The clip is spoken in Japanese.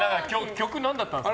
曲なんだったんですか？